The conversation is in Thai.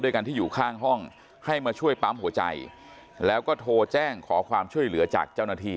การที่อยู่ข้างห้องให้มาช่วยปั๊มหัวใจแล้วก็โทรแจ้งขอความช่วยเหลือจากเจ้าหน้าที่